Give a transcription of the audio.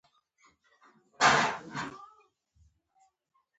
زه پنځه اتیا ورځې مخکې د دې موضوع په اړه مطالعه کړې ده.